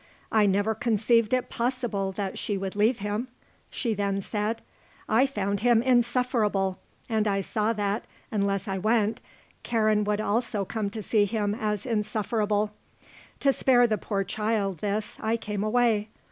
"I never conceived it possible that she would leave him," she then said. "I found him insufferable and I saw that unless I went Karen also would come to see him as insufferable. To spare the poor child this I came away.